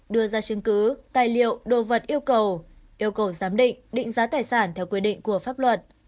đưa ra chứng cứ tài liệu đồ vật yêu cầu yêu cầu giám định định giá tài sản theo quy định của pháp luật